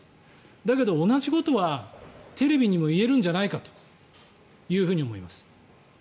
だけど同じことはテレビにも言えるんじゃないかと思います。